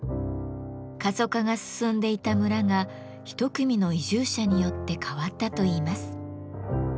過疎化が進んでいた村が一組の移住者によって変わったといいます。